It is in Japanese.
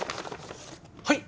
はい。